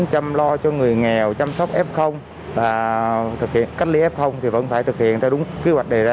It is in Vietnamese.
chăm lo cho người nghèo chăm sóc f cách ly f vẫn phải thực hiện theo đúng kế hoạch đề ra